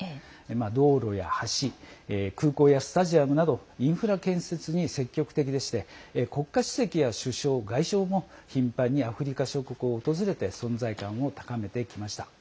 道路や橋、空港やスタジアムなどインフラ建設に積極的でして国家主席や首相、外相も頻繁にアフリカ諸国を訪れて存在感を高めてきました。